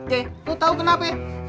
he lu tau kenapa ya